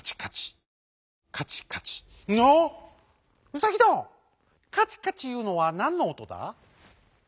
ウサギどんカチカチいうのはなんのおとだ？」。